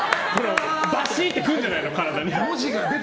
バシってくるんじゃないの体に。